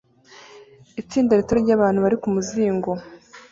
Itsinda rito ryabantu bari kumuzingo